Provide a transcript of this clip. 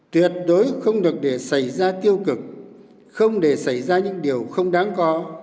tuyệt đối không được để xảy ra tiêu cực không để xảy ra những điều không đáng có